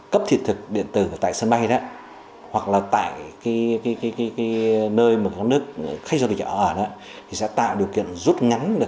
cấp thị thực điện tử tại sân bay hoặc là tại nơi mà các nước khách du lịch ở sẽ tạo điều kiện rút ngắn